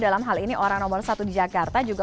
dalam hal ini orang nomor satu di jakarta juga